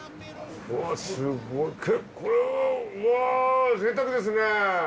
おぉすごい結構うわぁぜいたくですね。